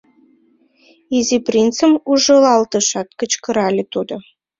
— Изи принцым ужылалтышат, кычкырале тудо.